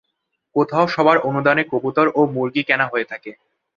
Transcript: কোথাও সবার অনুদানে কবুতর ও মুরগি কেনা হয়ে থাকে।